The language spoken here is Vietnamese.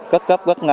cấp cấp gấp ngạc